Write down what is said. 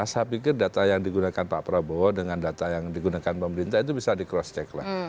saya pikir data yang digunakan pak prabowo dengan data yang digunakan pemerintah itu bisa di cross check lah